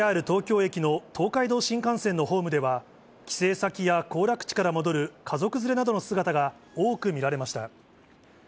ＪＲ東京駅の東海道新幹線のホームでは、帰省先や行楽地から戻る家族連れなどの姿が多く見られました。